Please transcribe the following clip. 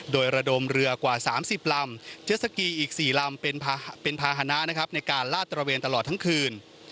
โดยระดมเรือกว่า๓๐ลำเจสสกีอีก๔ลำเป็นภาษณะนะครับในการลาดตระเวนตลอดทั้งคืน